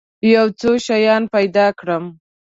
یو څو شیان پیدا کړم.